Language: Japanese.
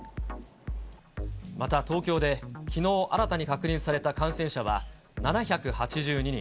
また東京で、きのう新たに確認された感染者は、７８２人。